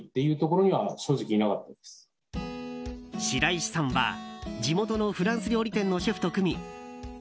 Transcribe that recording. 白石さんは、地元のフランス料理店のシェフと組み